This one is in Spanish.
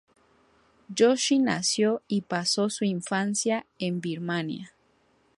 Joshi nació y pasó su infancia en Birmania.